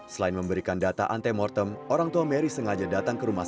selain memberikan data antemortem orang tua mary sengaja datang ke rumah sakit